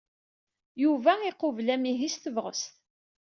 Yuba iqubel amihi s tebɣest.